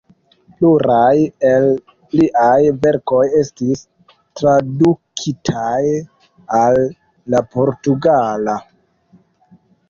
Pluraj el liaj verkoj estis tradukitaj al la portugala.